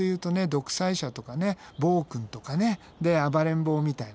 独裁者とかね暴君とかねで暴れん坊みたいなね